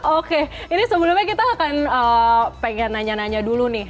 oke ini sebelumnya kita akan pengen nanya nanya dulu nih